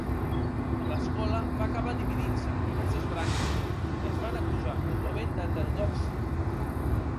L'escola va acabar dividint-se en diverses branques, que es van acusar mútuament d'heterodòxia.